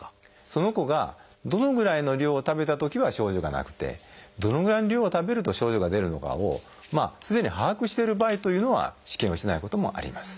その子がどのぐらいの量を食べたときは症状がなくてどのぐらいの量を食べると症状が出るのかをすでに把握してる場合というのは試験をしないこともあります。